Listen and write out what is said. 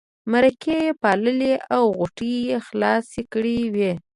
مرکې یې پاللې او غوټې یې خلاصې کړې وې.